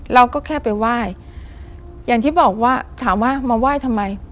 เราก็แค่ไปไหว้อย่างที่บอกว่าถามว่ามาไหว้ทำไม